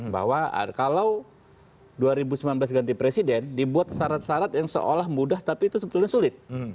bahwa kalau dua ribu sembilan belas ganti presiden dibuat syarat syarat yang seolah mudah tapi itu sebetulnya sulit